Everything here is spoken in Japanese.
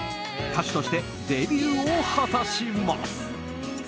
歌手としてデビューを果たします。